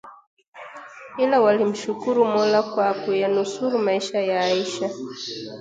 Ila, walimshukuru Mola kwa kuyanusuru maisha ya Aisha